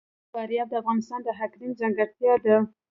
فاریاب د افغانستان د اقلیم ځانګړتیا ده.